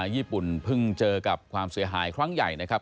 ญี่ปุ่นเพิ่งเจอกับความเสียหายครั้งใหญ่นะครับ